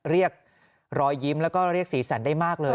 เรียกรอยยิ้มแล้วก็เรียกสีสันได้มากเลย